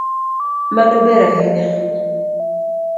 Mano ber ahinya